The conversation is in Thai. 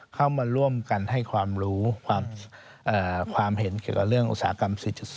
เข้ามาร่วมกันให้ความรู้ความเห็นเกี่ยวกับเรื่องอุตสาหกรรม๔๐